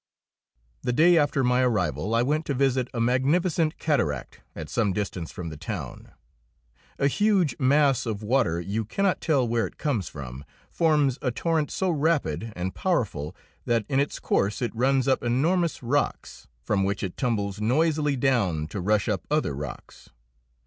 The day after my arrival I went to visit a magnificent cataract at some distance from the town. A huge mass of water you cannot tell where it comes from forms a torrent so rapid and powerful that in its course it runs up enormous rocks, from which it tumbles noisily down to rush up other rocks.